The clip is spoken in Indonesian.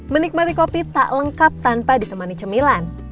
menikmati kopi tak lengkap tanpa ditemani cemilan